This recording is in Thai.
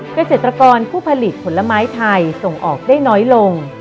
เกษตรกรผู้ผลิตผลไม้ไทยส่งออกได้น้อยลง